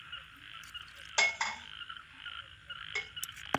په څلورمه برخه کې موږ یو راپور وړاندې کوو.